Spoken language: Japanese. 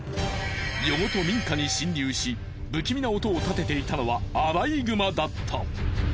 夜ごと民家に侵入し不気味な音を立てていたのはアライグマだった。